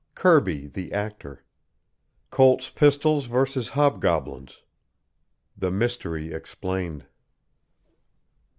KIRBY, THE ACTOR. COLT'S PISTOLS VERSUS HOBGOBLINS. THE MYSTERY EXPLAINED.